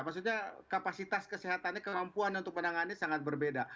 maksudnya kapasitas kesehatannya kemampuan untuk menangannya sangat berbeda